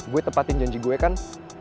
gue tepatin janji gue kan